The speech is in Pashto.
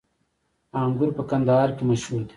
انګور په کندهار کې مشهور دي